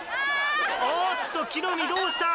おっと木の実どうした？